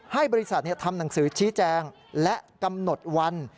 ให้บริษัททำหนังสือชี้แจงและกำหนดวัน